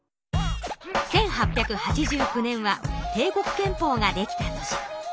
１８８９年は帝国憲法ができた年。